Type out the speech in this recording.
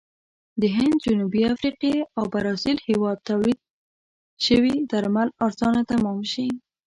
د هند، جنوبي افریقې او برازیل هېواد تولید شوي درمل ارزانه تمام شي.